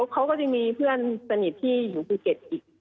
เขาก็จะมีเพื่อนสนิทที่อยู่ภูเก็ตอีก